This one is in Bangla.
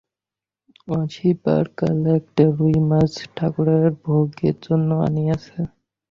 আসিবার কালে একটা রুই মাছ ঠাকুরের ভোগের জন্য আনিয়াছে।